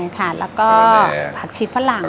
พราเนพรักชี้ฝรั่ง